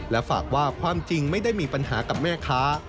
และฝากว่าความจริงไม่ได้มีปัญหากับแม่ค้า